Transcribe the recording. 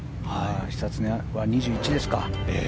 久常は２１ですか。